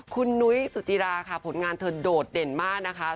คุณนุ้ยสุจิราค่ะผลงานเธอโดดเด่นมากนะคะ